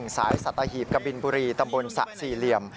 สายสัตหีบกะบินบุรีตำบลสะสี่เหลี่ยม